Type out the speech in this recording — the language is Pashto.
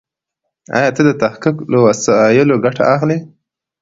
ايا ته د تحقيق له وسایلو ګټه اخلې؟